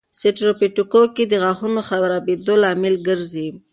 سټریپټوکوکي د غاښونو خرابېدو لامل ګرځي.